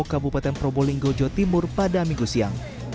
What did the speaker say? kabupaten probolinggojo timur pada minggu siang